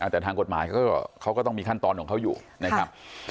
แต่ทางกฎหมายเขาก็ต้องมีขั้นตอนของเขาอยู่นะครับ